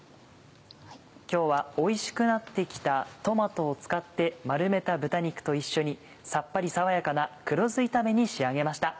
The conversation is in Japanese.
今日はおいしくなって来たトマトを使って丸めた豚肉と一緒にさっぱり爽やかな黒酢炒めに仕上げました。